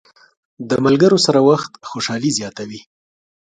د ملګرو سره وخت خوشحالي زیاته وي.